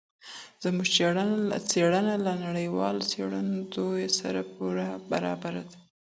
زموږ څېړنه له نړیوال څېړندود سره پوره برابره ده.